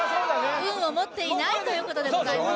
運を持っていないということでございます